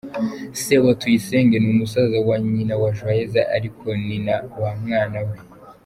Se wa Tuyisenge ni musaza wa nyina wa Joyeuse ariko ni na bamwana we.